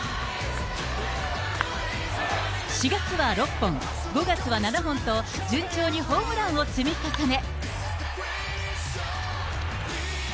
４月は６本、５月は７本と、順調にホームランを積み重ね。